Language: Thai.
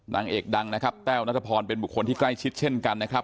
นางเอกดังนะครับแต้วนัทพรเป็นบุคคลที่ใกล้ชิดเช่นกันนะครับ